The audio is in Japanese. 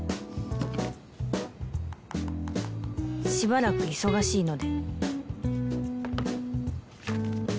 「しばらく忙しいので」